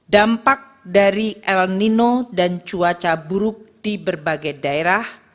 dampak dari el nino dan cuaca buruk di berbagai daerah